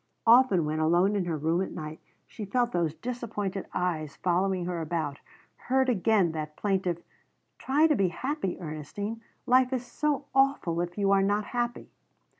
Often when alone in her room at night she felt those disappointed eyes following her about, heard again that plaintive: "Try to be happy, Ernestine. Life is so awful if you are not happy."